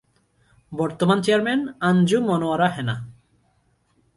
বর্তমান চেয়ারম্যান-আঞ্জু মনোয়ারা হেনা